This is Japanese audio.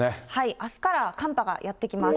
あすから寒波がやって来ます。